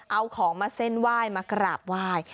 เอาของมาเส้นไหว้มากราบไหว้